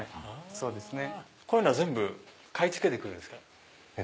こういうのは全部買い付けて来るんですか？